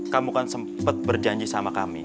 kamu kan sempat berjanji sama kami